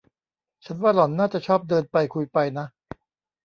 ฉันว่าหล่อนน่าจะชอบเดินไปคุยไปนะ